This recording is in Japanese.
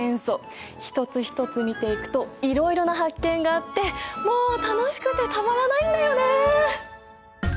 一つ一つ見ていくといろいろな発見があってもう楽しくてたまらないんだよね。